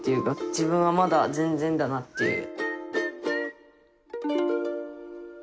自分はまだ全然だなっていう。